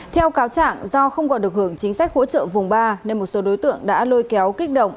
theo cáo trạng do không còn được hưởng chính sách hỗ trợ vùng ba nên một số đối tượng đã lôi kéo kích động